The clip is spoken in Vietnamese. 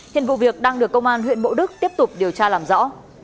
hiện vụ việc đang được công an huyện bộ đức tiếp tục điều tra làm rõ